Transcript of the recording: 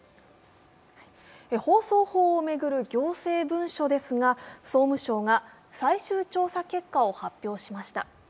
放送法を巡る行政文書ですが総務省が最終調査結果を発表しました。